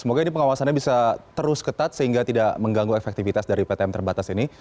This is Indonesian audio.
semoga ini pengawasannya bisa terus ketat sehingga tidak mengganggu efektivitas dari ptm terbatas ini